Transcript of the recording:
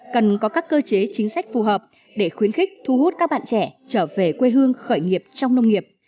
cần có các cơ chế chính sách phù hợp để khuyến khích thu hút các bạn trẻ trở về quê hương khởi nghiệp trong nông nghiệp